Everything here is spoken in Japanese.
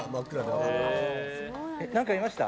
何かいました？